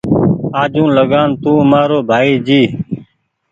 آجوٚنٚ لگآن تونٚ مآرو ڀآئي جي